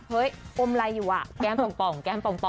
เฮ้ยอมไรอยู่อะแก้มป่อง